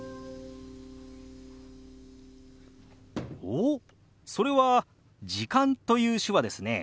おっそれは「時間」という手話ですね。